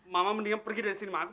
mama mendingan pergi dari sini maaf